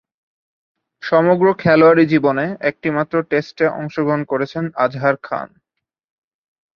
সমগ্র খেলোয়াড়ী জীবনে একটিমাত্র টেস্টে অংশগ্রহণ করেছেন আজহার খান।